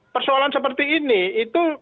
persoalan seperti ini itu